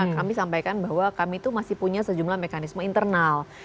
kami sampaikan bahwa kami itu masih punya sejumlah mekanisme internal